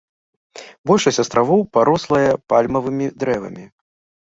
Большасць астравоў парослая пальмавымі дрэвамі.